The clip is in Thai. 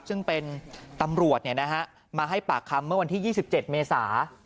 ซึ่งเป็นตำรวจมาให้ปากคำเมื่อวันที่๒๗เมษา